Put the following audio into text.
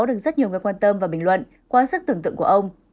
được rất nhiều người quan tâm và bình luận quá sức tưởng tượng của ông